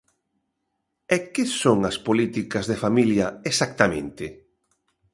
¿E que son as políticas de familia exactamente?